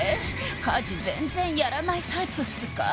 家事全然やらないタイプっすか？